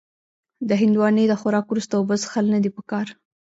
د هندوانې د خوراک وروسته اوبه څښل نه دي پکار.